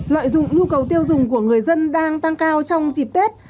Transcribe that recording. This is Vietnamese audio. lợi dụng nhu cầu tiêu dùng của người dân đang tăng cao trong dịp tết